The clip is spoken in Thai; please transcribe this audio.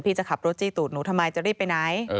จะขับรถจี้ตูดหนูทำไมจะรีบไปไหน